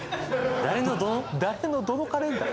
誰のどのカレンダー？